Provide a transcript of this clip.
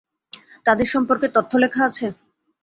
তাদের সম্পর্কে তথ্য লেখা আছে?